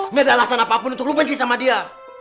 nggak ada alasan apapun untuk lu benci sama dia